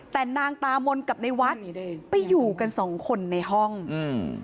แต่นางตามนกับในวัดไปอยู่กันสองคนในห้องอืม